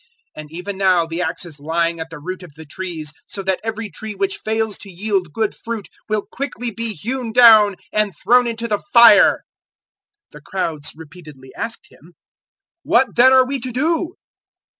003:009 And even now the axe is lying at the root of the trees, so that every tree which fails to yield good fruit will quickly be hewn down and thrown into the fire." 003:010 The crowds repeatedly asked him, "What then are we to do?"